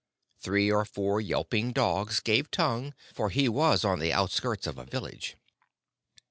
Three or four yelping dogs gave tongue, for he was on the outskirts of a village.